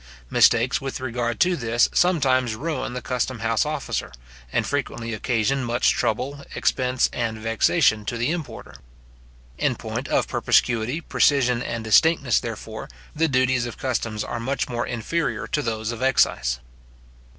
Mistakes with regard to this sometimes ruin the custom house officer, and frequently occasion much trouble, expense, and vexation to the importer. In point of perspicuity, precision, and distinctness, therefore, the duties of customs are much inferior to those of excise.